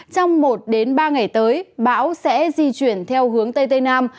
trong một ba ngày tới bão sẽ di chuyển theo hướng tây tây nam